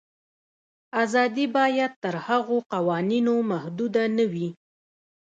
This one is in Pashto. آزادي باید تر هغو قوانینو محدوده نه وي.